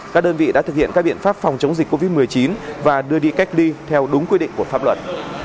các đơn vị đã thực hiện các biện pháp phòng chống dịch covid một mươi chín và đưa đi cách ly theo đúng quy định của pháp luật